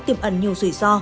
tiêm ẩn nhiều rủi ro